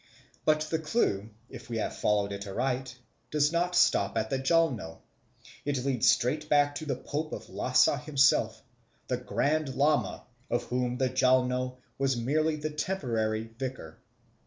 But the clue, if we have followed it aright, does not stop at the Jalno; it leads straight back to the pope of Lhasa himself, the Grand Lama, of whom the Jalno is merely the temporary vicar.